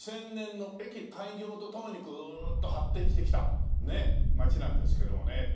２０００年の駅開業とともにグーッと発展してきた街なんですけどもね。